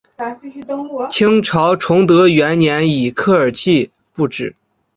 清朝崇德元年以科尔沁部置。